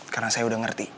karena saya udah ngerti